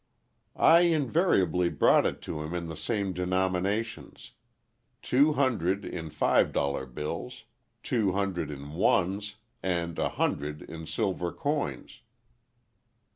"I invariably brought it to him in the same denominations. Two hundred in five dollar bills, two hundred in ones, and a hundred in silver coins."